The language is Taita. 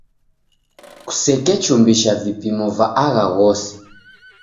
Kusekechumbisha vipimo va agha ghose.